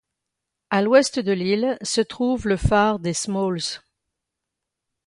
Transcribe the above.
À l'ouest de l'île, se trouve, le phare des Smalls.